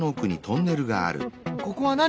ここは何？